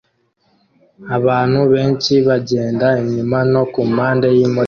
Abantu benshi bagenda inyuma no kumpande yimodoka